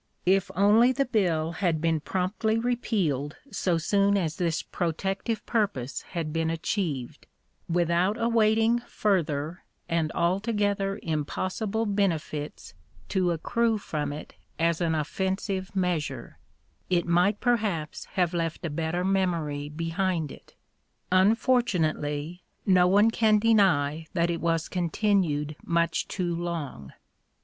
If only the bill had been promptly repealed so soon as this protective purpose had been achieved, without awaiting further and altogether impossible benefits to accrue from it as an offensive measure, it might perhaps have left a better memory behind it. Unfortunately no one can deny that it was continued much too long.